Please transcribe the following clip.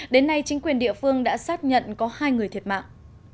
đến nay chính quyền địa phương đã xác nhận có hai người thiệt mạng